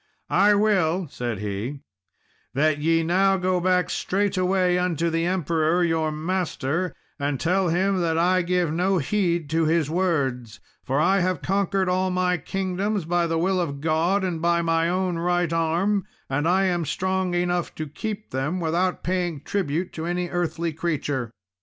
"I will," said he, "that ye now go back straightway unto the Emperor your master and tell him that I give no heed to his words, for I have conquered all my kingdoms by the will of God and by my own right arm, and I am strong enough to keep them, without paying tribute to any earthly creature.